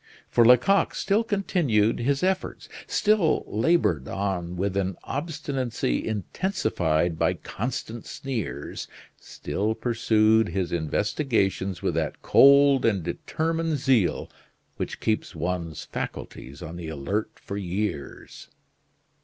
For Lecoq still continued his efforts; still labored on with an obstinacy intensified by constant sneers; still pursued his investigations with that cold and determined zeal which keeps one's faculties on the alert for years.